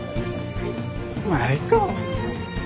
まあいいか。